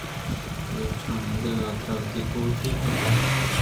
اے افسراں نندگ ءِ حاترا وتی کوٹی گپت اَنت ءُآرام